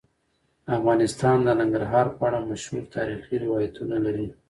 افغانستان د ننګرهار په اړه مشهور تاریخی روایتونه لري.